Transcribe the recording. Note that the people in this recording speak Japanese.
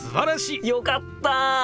よかった！